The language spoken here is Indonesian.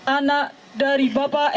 anak dari bapak